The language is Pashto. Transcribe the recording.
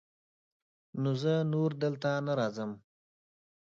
نو زه نور دلته نه راځم.